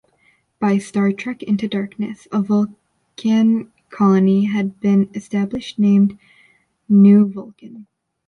By "Star Trek Into Darkness" a Vulcan colony had been established named "New Vulcan".